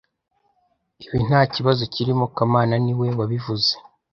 Ibi ntakibazo cyirimo kamana niwe wabivuze